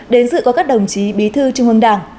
đến dự có các đồng chí bí thư trung ương đảng